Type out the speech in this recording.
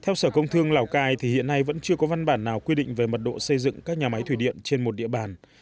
theo sở công thương lào cai thì hiện nay vẫn chưa có văn bản nào quy định về mật độ xây dựng các nhà máy thủy điện trên một địa bàn